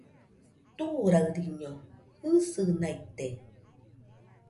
Turaɨriño jɨsɨnaite